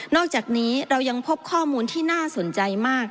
อกจากนี้เรายังพบข้อมูลที่น่าสนใจมาก